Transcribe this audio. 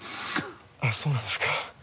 そうなんですか。